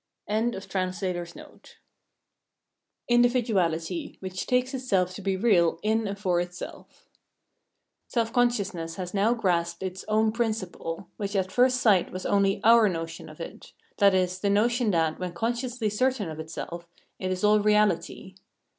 ] 381 Individuality, which takes Itself to be Real IN AND FOR Itself Self consciousness lias now grasped its own principle, which at first sight was only our notion of it, viz. the notion that, when consciously certain of itself, it is all reaUty.